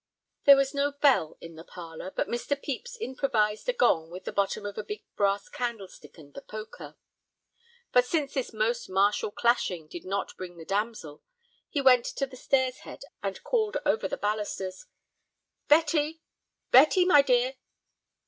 There was no bell in the parlor, but Mr. Pepys improvised a gong with the bottom of a big brass candlestick and the poker. But since this most martial clashing did not bring the damsel, he went to the stairs head and called over the balusters: "Betty—Betty, my dear."